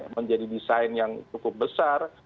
menjadi desain yang cukup besar